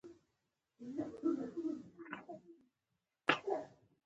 سترګي دي لوړی